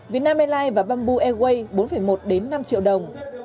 vietnam airlines và bamboo airways bốn một năm triệu đồng